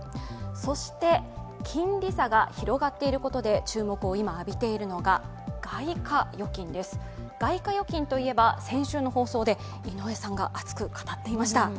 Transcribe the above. そして金利差が広がっていることで今、注目を浴びているのが外貨預金です、外貨預金といえば先週の放送で井上さんが熱く語っていました。